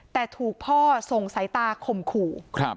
แต่ถูกพ่อส่งสายตาข่มขู่